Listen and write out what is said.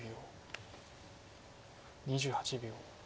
２８秒。